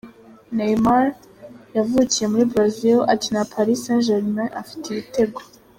Neymar: Yavukiye muri Brazil, akinira Paris Saint Germain, afite ibitego